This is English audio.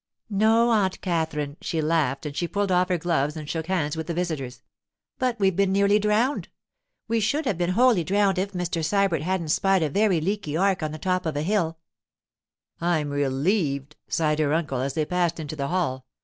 'No, Aunt Katherine,' she laughed as she pulled off her gloves and shook hands with the visitors. 'But we've been nearly drowned! We should have been wholly drowned if Mr. Sybert hadn't spied a very leaky ark on the top of a hill.' 'I'm relieved!' sighed her uncle as they passed into the hall.